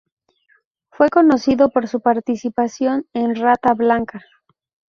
Fue conocido por su participación en Rata Blanca.